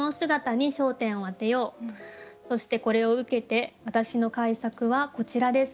そしてこれを受けて私の改作はこちらです。